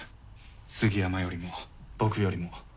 杉山よりも僕よりも。